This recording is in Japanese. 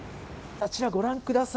あちら、ご覧ください。